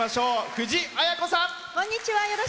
藤あや子さん。